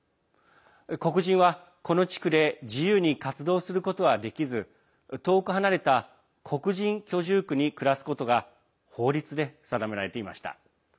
黒人は、この地区で自由に活動することはできず遠く離れた黒人居住区に暮らすことが法律で定められていました。